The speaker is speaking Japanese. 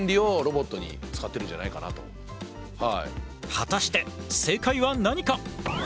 果たして正解は何か。